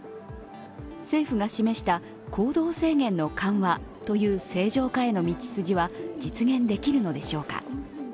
政府が示した行動制限の緩和という正常化への道筋は実現できるのでしょうか。